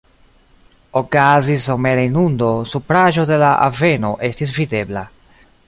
Okazis somera inundo, supraĵo de la aveno estis videbla.